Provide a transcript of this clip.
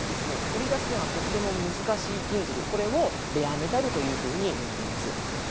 取り出すのがとっても難しい金属これをレアメタルというふうに呼んでいます。